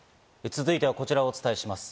続いてはこちらお伝えします。